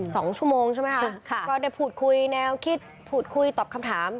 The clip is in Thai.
สองชั่วโมงใช่ไหมคะค่ะก็ได้พูดคุยแนวคิดพูดคุยตอบคำถาม